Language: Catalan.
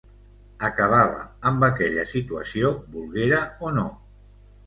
Acabava amb aquella situació, volguera o no.